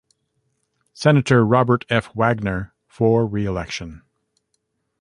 Senator Robert F. Wagner for re-election.